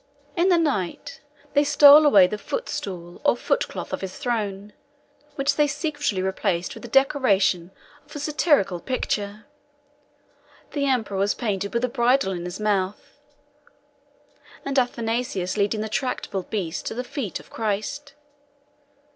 In the night, they stole away the footstool or foot cloth of his throne, which they secretly replaced with the decoration of a satirical picture. The emperor was painted with a bridle in his mouth, and Athanasius leading the tractable beast to the feet of Christ.